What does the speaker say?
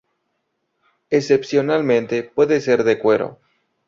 Excepcionalmente pueden ser de cuero.